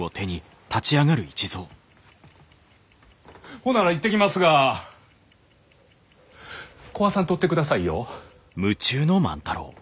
ほんなら行ってきますが壊さんとってくださいよ。